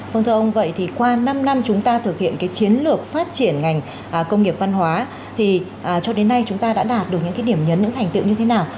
vâng thưa ông vậy thì qua năm năm chúng ta thực hiện cái chiến lược phát triển ngành công nghiệp văn hóa thì cho đến nay chúng ta đã đạt được những điểm nhấn những thành tựu như thế nào